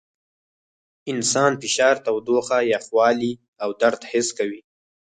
انسان فشار، تودوخه، یخوالي او درد حس کوي.